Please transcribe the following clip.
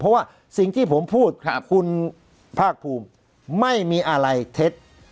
เพราะว่าสิ่งที่ผมพูดคุณภาคภูมิไม่มีอะไรเท็จ